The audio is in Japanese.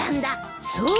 そう！